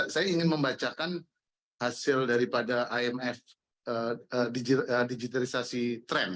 saya ingin membacakan hasil daripada imf digitalisasi tren